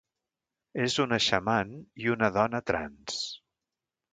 És una xaman i una dona trans.